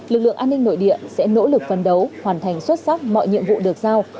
lực lượng an ninh nội địa sẽ nỗ lực phân đấu hoàn thành xuất sắc mọi nhiệm vụ được giao